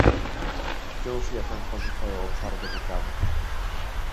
Wciąż jednak pozostają obszary do poprawy